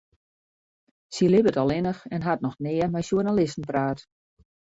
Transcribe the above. Sy libbet allinnich en hat noch nea mei sjoernalisten praat.